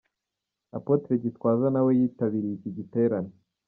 Apotre Gitwaza nawe yitabiriye iki giterane.